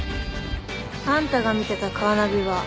あんたが見てたカーナビは。